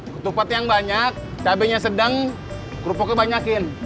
ketupat yang banyak cabainya sedang kerupuknya banyakin